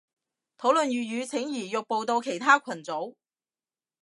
討論粵語請移玉步到其他群組